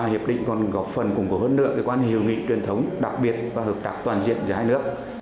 hiệp định còn góp phần củng cố hơn nữa quan hệ hiệu nghị truyền thống đặc biệt và hợp tác toàn diện giữa hai nước